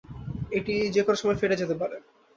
এটি যে কোনও সময় ফেটে যেতে পারে।